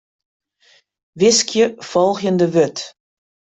Wiskje folgjende wurd.